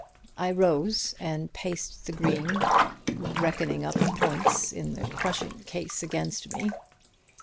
I rose and paced the green, reckoning up the points in the crushing case against me.